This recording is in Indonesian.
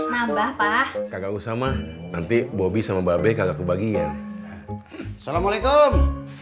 nambah pak kagak usah mah nanti bobby sama babi kagak kebagian assalamualaikum